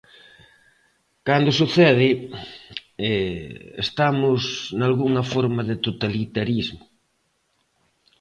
Cando sucede, estamos nalgunha forma de totalitarismo.